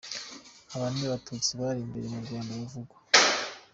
Aba ni abatutsi bari imbere mu Rwanda bavugwa.